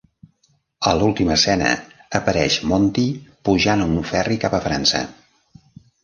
A l'última escena apareix Monty pujant a un ferri cap a França.